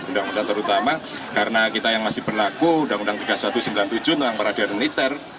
undang undang terutama karena kita yang masih berlaku undang undang tiga ribu satu ratus sembilan puluh tujuh tentang peradilan militer